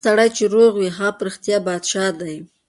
هغه سړی چې روغ وي، هغه په رښتیا پادشاه دی.